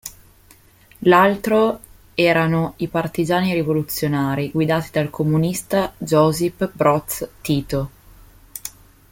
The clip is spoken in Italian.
L'altro erano i Partigiani Rivoluzionari, guidati dal comunista Josip Broz Tito.